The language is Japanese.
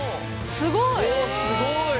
すごい！おすごい！